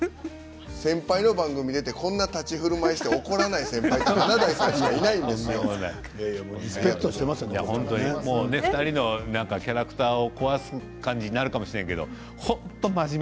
先輩の番組出てこんな立ち居振る舞いして怒らない先輩はお二人のキャラクターを壊す感じになるかもしれんけど本当に真面目。